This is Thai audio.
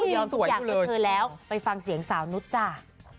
ยอมทุกอย่างเพื่อเธอแล้วไปฟังเสียงสาวนุษย์จ้ะ